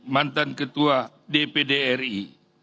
mantan ketua dpr ri